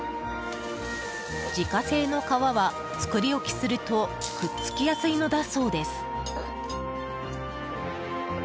自家製の皮は、作り置きするとくっつきやすいのだそうです。